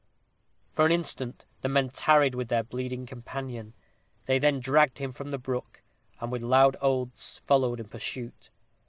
For an instant the men tarried with their bleeding companion. They then dragged him from the brook, and with loud oaths followed in pursuit.